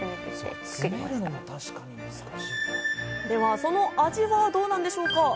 では、その味はどうなんでしょうか？